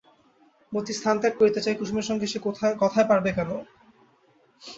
মতি স্থানত্যাগ করিতে চায়, কুসুমের সঙ্গে সে কথায় পারবে কেন?